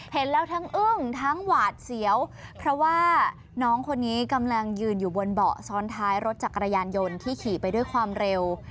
เห็นแล้วทั้งอึ้งทั้งหวาดเสียวเพราะว่าน้องคนนี้กำลังยืนอยู่บนเบาะซ้อนท้ายรถจักรยานยนต์ที่ขี่ไปด้วยความเร็ว